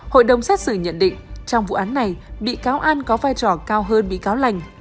hội đồng xét xử nhận định trong vụ án này bị cáo an có vai trò cao hơn bị cáo lành